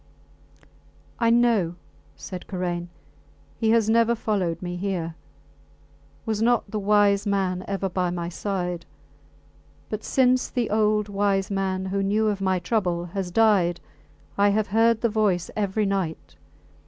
I know, said Karain. He has never followed me here. Was not the wise man ever by my side? But since the old wise man, who knew of my trouble, has died, I have heard the voice every night.